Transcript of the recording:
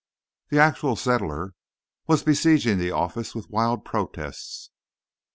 The Actual Settler was besieging the office with wild protests in re.